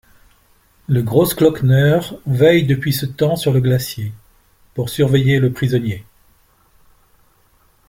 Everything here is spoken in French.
Le Großglockner veille depuis ce temps sur le glacier, pour surveiller le prisonnier.